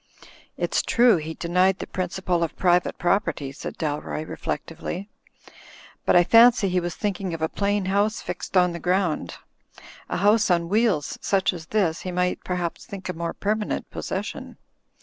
"It's true he denied the Principle of Private Prop erty," said Dalroy, reflectively, "but I fancy he was thinking of a plain house fixed on the ground. A house on wheels, such as this, he might perhaps think a more permanent possession.